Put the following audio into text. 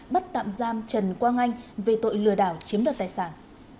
bắt tạm giam trần quang anh về tội lừa đảo chiếm đoạt tài sản